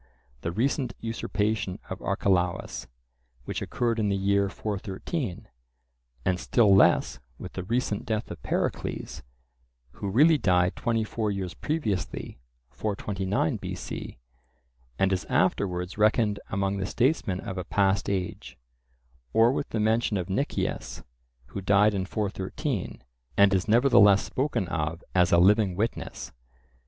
the "recent" usurpation of Archelaus, which occurred in the year 413; and still less with the "recent" death of Pericles, who really died twenty four years previously (429 B.C.) and is afterwards reckoned among the statesmen of a past age; or with the mention of Nicias, who died in 413, and is nevertheless spoken of as a living witness.